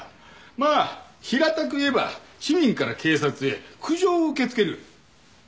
まあ平たく言えば市民から警察へ苦情を受け付ける窓口業務だな。